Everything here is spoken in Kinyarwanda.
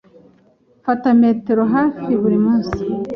Mfata metero hafi buri munsi.